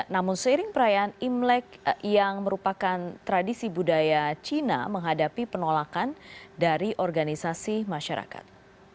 namun seiring perayaan imlek yang merupakan tradisi budaya cina menghadapi penolakan dari organisasi masyarakat